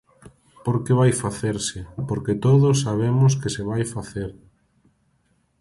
Porque vai facerse, porque todos sabemos que se vai facer.